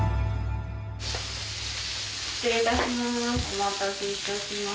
失礼いたします。